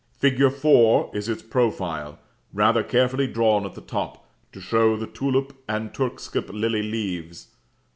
Fig. 4 is its profile, rather carefully drawn at the top, to show the tulip and turkscap lily leaves.